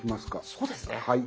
そうですね。